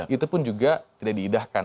itu pun juga tidak diindahkan